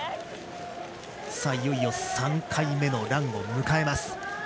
いよいよ３回目のランを迎えます。